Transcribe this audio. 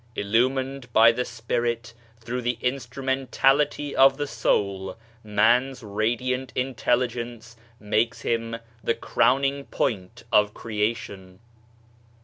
Illumined by the spirit through the instrumentality of the soul, Man's radiant intelligence makes him the crowning point of Creation.